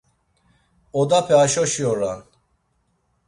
Odape haşoşi oran.